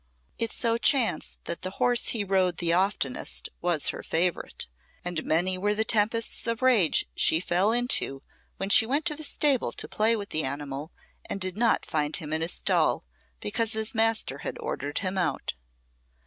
It so chanced that the horse he rode the oftenest was her favourite, and many were the tempests of rage she fell into when she went to the stable to play with the animal and did not find him in his stall, because his master had ordered him out.